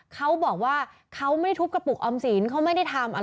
เขาบอกว่าเขาไม่ทุบกระปุกอำสีนเขาไม่ได้ทำ